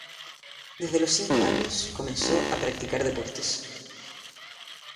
Desde los cinco años comenzó a practicar deportes.